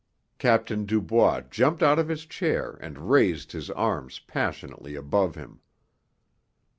Captain Dubois jumped out of his chair and raised his arms passionately above him.